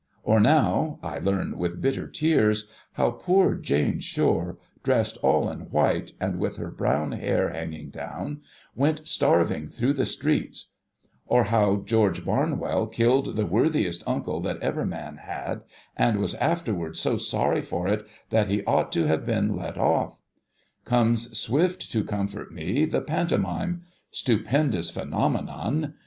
Or now, I learn with bitter tears how poor Jane Shore, dressed all in white, and with her brown hair hanging down, went starving through the streets ; or how George Barnwell killed the worthiest uncle that ever man had, and was afterwards so sorry for it that he ought to have been let off. Comes swift to comfort me, the Pantomime— stupendous Phenomenon